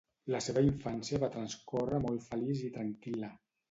La seva infància va transcórrer molt feliç i tranquil·la.